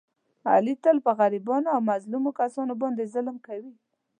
علي تل په غریبانو او مظلومو کسانو باندې ظلم کوي.